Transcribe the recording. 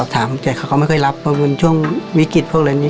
แต่เขาไม่เคยรับวันช่วงวิกฤตพวกนี้